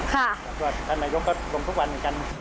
แล้วก็ท่านนายกก็ลงทุกวันเหมือนกัน